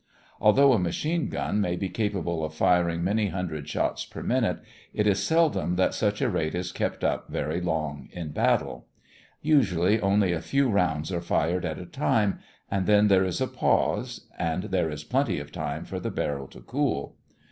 Although a machine gun may be capable of firing many hundred shots per minute, it is seldom that such a rate is kept up very long in battle. Usually, only a few rounds are fired at a time and then there is a pause, and there is plenty of time for the barrel to cool.